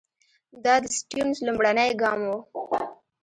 دا د سټیونز لومړنی ګام وو.